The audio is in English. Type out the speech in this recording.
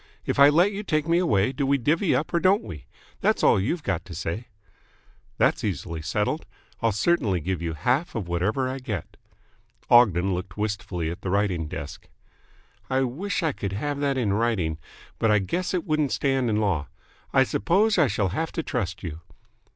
If I let you take me away, do we divvy up or don't we? That's all you've got to say." "That's easily settled. I'll certainly give you half of whatever I get." Ogden looked wistfully at the writing desk. "I wish I could have that in writing. But I guess it wouldn't stand in law. I suppose I shall have to trust you."